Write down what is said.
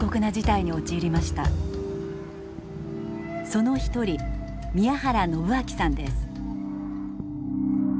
その一人宮原信晃さんです。